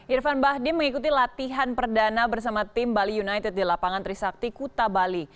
irfan bahdim mengikuti latihan perdana bersama tim bali united di lapangan trisakti kuta bali